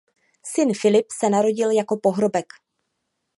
Syn Filip se narodil jako pohrobek.